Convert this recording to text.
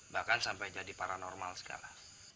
bahkan sampai jadi paranormal skala